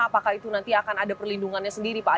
apakah itu nanti akan ada perlindungannya sendiri pak